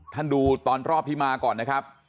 ดูตอนรอบที่มาก่อนนะครับ